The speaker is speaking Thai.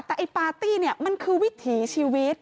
แต่ไอ้ปาร์ตี้เนี่ยมันคือวิถีชีวิต